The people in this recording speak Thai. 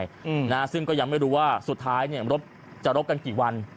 อืมนะฮะซึ่งก็ยังไม่รู้ว่าสุดท้ายเนี่ยรบจะรบกันกี่วัน